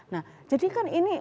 nah jadi kan ini